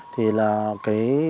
thì là cái